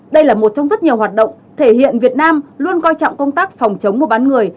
đây là một trong rất nhiều hoạt động thể hiện việt nam luôn coi trọng công tác phòng chống mua bán người